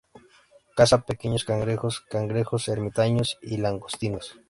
Caza pequeños cangrejos, cangrejos ermitaños, y langostinos.